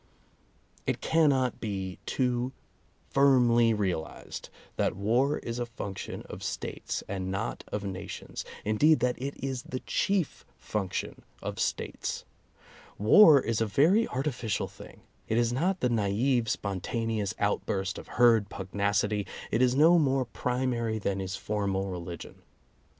It cannot be too firmly realized that war is a function of States and not of nations, indeed that it is the chief function of States. War is a very artificial thing. It is not the naive spontaneous outburst of herd pugnacity; it is no more primary than is formal religion.